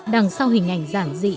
đằng sau hình ảnh giảng dị